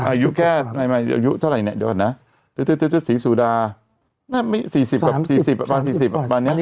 อายุแค่อายุเท่ล่ายเนี่ยเดี๋ยวก่อนนะ